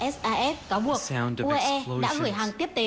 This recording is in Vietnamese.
saf cáo buộc uae đã gửi hàng tiếp tế